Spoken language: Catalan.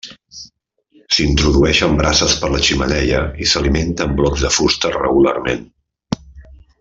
S'introdueixen brases per la xemeneia i s'alimenta amb blocs de fusta regularment.